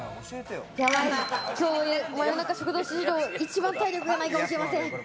きょう、夜中食堂史上、一番体力がないかもしれません。